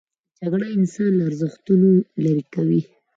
جګړه انسان له ارزښتونو لیرې کوي